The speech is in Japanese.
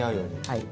はい。